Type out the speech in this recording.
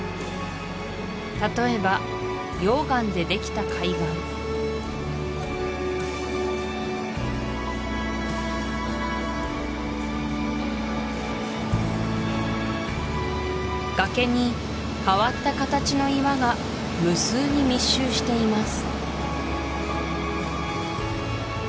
例えば溶岩でできた海岸崖に変わった形の岩が無数に密集しています